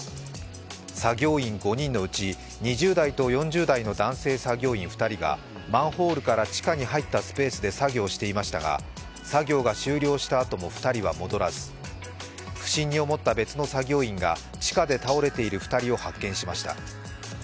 作業員５人のうち２０代と４０代の男性作業員２人がマンホールから地下に入ったスペースで作業していましたが作業が終了したあとも２人は戻らず不審に思った別の作業員が地下で倒れている２人を発見しました。